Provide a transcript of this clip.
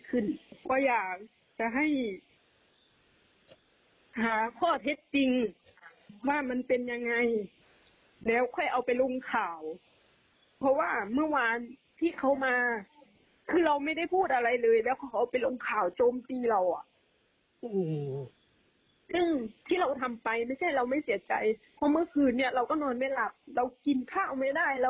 เพราะเมื่อคืนเนี่ยเราก็นอนไม่หลับเรากินข้าวไม่ได้คือเราเครียบ